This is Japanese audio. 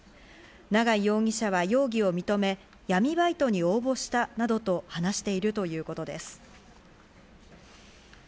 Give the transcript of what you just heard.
永井容疑者は容疑を認め、闇バイトに応募したなどと話しているということです。